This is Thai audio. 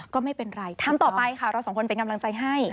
ก็ไม่เป็นไรทำต่อไปค่ะเราสองคนเป็นกำลังใจให้